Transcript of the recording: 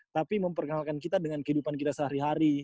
tapi memperkenalkan kita dengan kehidupan kita sehari hari